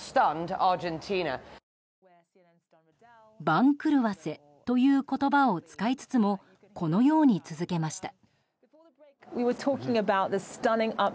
番狂わせという言葉を使いつつもこのように続けました。